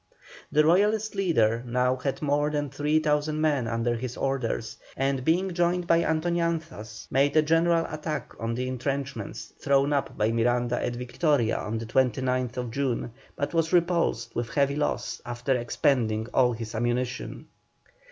The Royalist leader had now more than 3,000 men under his orders, and, being joined by Antoñanzas, made a general attack on the entrenchments thrown up by Miranda at Victoria on the 29th June, but was repulsed with heavy loss after expending all his ammunition.